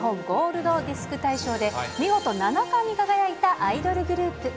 ゴールドディスク大賞で、見事７冠に輝いたアイドルグループ。